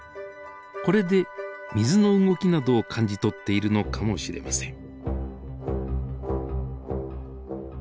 これで水の動きなどを感じ取っているのかもしれません。